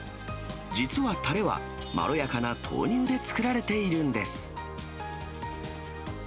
実はたれは、まろやかな豆乳で作られているんです。